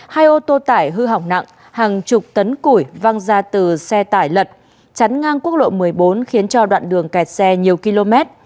hai ô tô tải hư hỏng nặng hàng chục tấn củi văng ra từ xe tải lật chắn ngang quốc lộ một mươi bốn khiến cho đoạn đường kẹt xe nhiều km